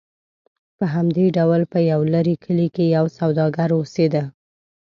په همدې ډول په یو لرې کلي کې یو سوداګر اوسېده.